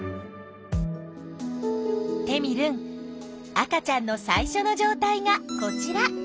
テミルン赤ちゃんの最初の状態がこちら。